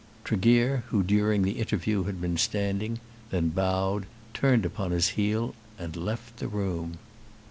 Tregear, who during the interview had been standing, then bowed, turned upon his heel, and left the room.